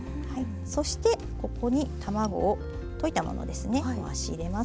そしてここに卵を溶いたものですね回し入れます。